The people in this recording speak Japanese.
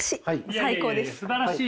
最高です。